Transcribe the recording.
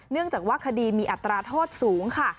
เนื่องจากว่าคดีมีอัตราโทษสูงค่ะ